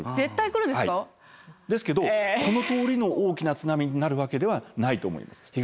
ですけどこのとおりの大きな津波になるわけではないと思います。